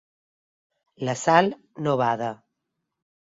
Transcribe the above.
La Sal no bada.